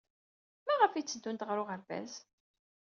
Maɣef ay tteddunt ɣer uɣerbaz?